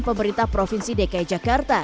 pemerintah provinsi dki jakarta